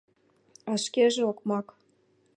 — А шкеже окмак!